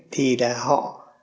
thì là họ